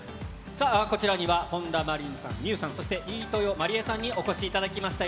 さあ、こちらには本田真凜さん、望結さん、飯豊まりえさんにお越しいただきました。